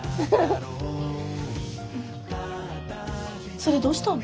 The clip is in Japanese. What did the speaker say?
それどうしたの？